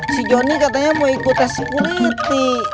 si johnny katanya mau ikut tes security